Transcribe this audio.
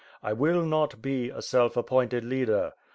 I will not be a self appointed leader.